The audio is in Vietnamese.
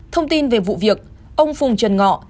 thông tin về vụ việc ông phùng trần ngọ